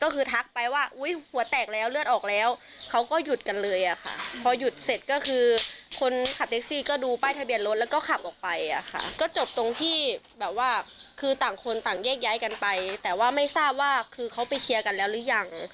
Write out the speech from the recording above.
คนขับเท็กซี่ก็ดูป้ายทะเบียนรถแล้วก็ขับออกไปอ่ะค่ะก็จบตรงที่แบบว่าคือต่างคนต่างแยกย้ายกันไปแต่ว่าไม่ทราบว่าคือเขาไปเคียร์กันแล้วหรือยัง